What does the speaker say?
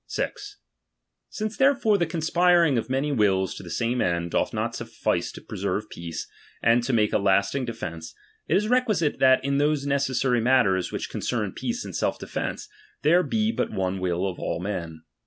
6. Since therefore the conspiring of many wills ., to the same end doth not suffice to preserve peace, and to make a lasting defence, it is requisite that, in those necessary matters which concern peace and self defence, there be but one will of all men.